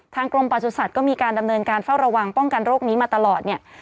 กรมประสุทธิ์ก็มีการดำเนินการเฝ้าระวังป้องกันโรคนี้มาตลอดเนี่ย